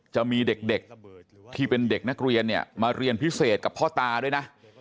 จะมีเด็กที่เป็นเด็กนักเรียนเนี่ยมาเรียนพิเศษกับพ่อตาด้วยนะ